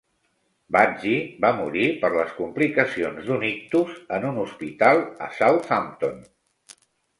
Badgey va morir per les complicacions d'un ictus en un hospital a Southampton.